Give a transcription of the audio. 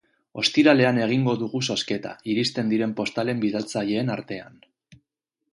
Ostiralean egingo dugu zozketa, iristen diren postalen bidaltzaileen artean.